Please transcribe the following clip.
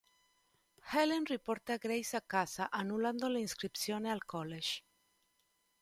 Helen riporta Grace a casa, annullando l'iscrizione al college.